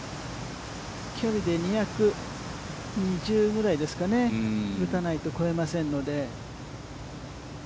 キャリーで２２０ぐらいですかね、打たないと越えませんので。